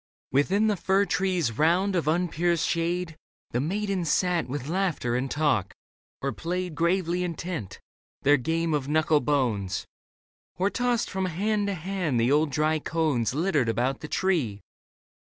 Within the fir tree's round of unpierced shade The maidens sat with laughter and talk, or played, Gravely intent, their game of knuckle bones ; Or tossed from hand to hand the old dry cones Littered about the tree.